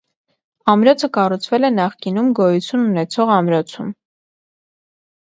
Ամրոցը կառուցվել է նախկինում գոյություն ունեցող ամրոցում։